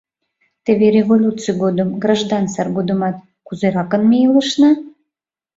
Теве революций годым, граждан сар годымат, кузеракын ме илышна?